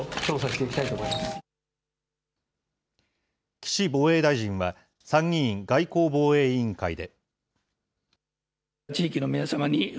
岸防衛大臣は、参議院外交防衛委員会で。